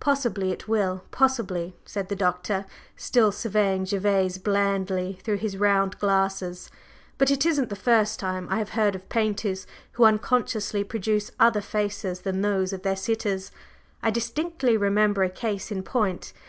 "Possibly it will possibly," said the Doctor, still surveying Gervase blandly through his round glasses; "but it isn't the first time I have heard of painters who unconsciously produce other faces than those of their sitters. I distinctly remember a case in point.